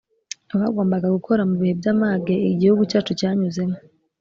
bagombaga gukora mu bihe by amage Igihugu cyacu cyanyuzemo